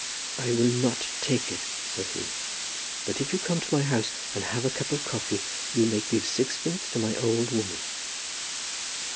"I will not take it," said he; "but if you come to my house and have a cup of coffee, you may give sixpence to my old woman."